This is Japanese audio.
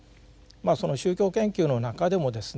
その宗教研究の中でもですね